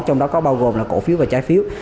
trong đó có bao gồm là cổ phiếu và trái phiếu